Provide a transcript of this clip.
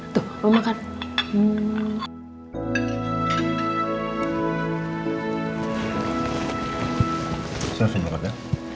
tuh mau makan